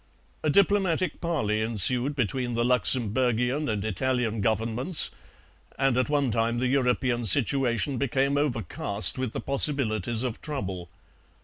"A diplomatic parley ensued between the Luxemburgian and Italian Governments, and at one time the European situation became overcast with the possibilities of trouble.